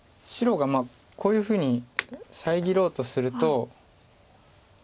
白がこういうふうに遮ろうとすると。